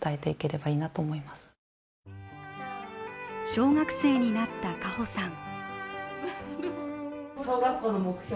小学生になった花保さん。